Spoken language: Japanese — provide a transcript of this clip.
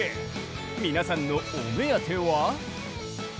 皆さんのお目当ては？